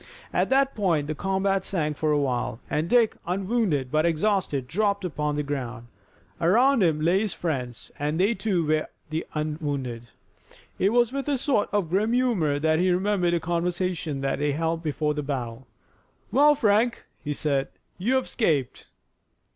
At that point the combat sank for a while, and Dick, unwounded but exhausted, dropped upon the ground. Around him lay his friends, and they, too, were unwounded. It was with a sort of grim humor that he remembered a conversation they had held before the battle. "Well, Frank," he said, "you've escaped."